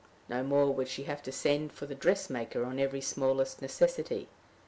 No more would she have to send for the dressmaker on every smallest necessity!